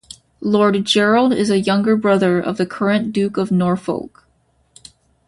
Lord Gerald is a younger brother of the current Duke of Norfolk.